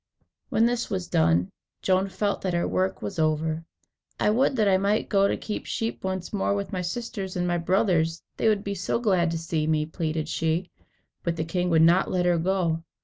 When this was done, Joan felt that her work was over. "I would that I might go and keep sheep once more with my sisters and my brothers; they would be so glad to see me," pleaded she. But the king would not let her go.